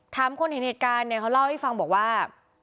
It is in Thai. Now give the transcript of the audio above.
ถามคนเห็นเหตุการณ์เนี่ยเขาเล่าให้ฟังบอกว่า